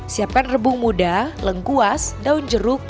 siapkan rebung muda lengkuas daun jeruk